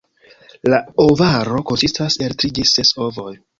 La ovaro konsistas el tri ĝis ses ovoj.